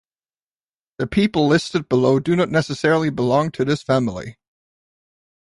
The people listed below do not necessarily belong to this family.